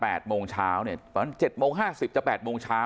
เกิดขึ้นกับน้องลิ้นจีตอนประมาณ๘โมงเช้า